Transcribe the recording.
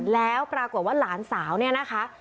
แล้วปรากฏว่าหลานสาวเนี่ยนะคะ